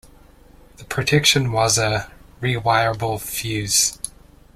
The protection was a re-wirable fuse.